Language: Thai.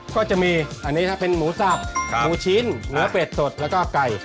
ก็จะมีอันนี้เป็นหมูสับหมูชิ้นเนื้อเป็ดสดแล้วก็ไก่